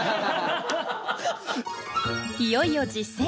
いよいよ実践。